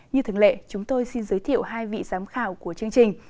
như thường lệ chúng tôi xin giới thiệu hai vị giám khảo của chương trình